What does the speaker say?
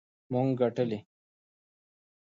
جنګــــونه مونږه کـــــــــړي دي مېدان مونږه ګټلے